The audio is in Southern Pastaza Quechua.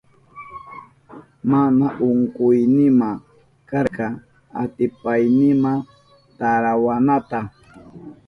Mana unkuynima karka atipaynima tarawanata.